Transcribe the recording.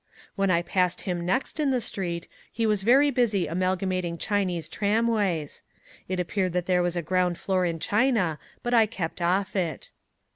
When I passed him next in the street he was very busy amalgamating Chinese tramways. It appeared that there was a ground floor in China, but I kept off it.